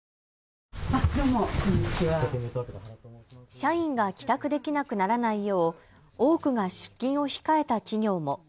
社員が帰宅できなくならないよう多くが出勤を控えた企業も。